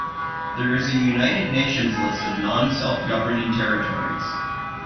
There is a United Nations list of Non-Self-Governing Territories.